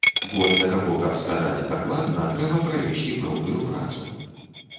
Бо для таго каб сказаць дакладна, трэба правесці пэўную працу.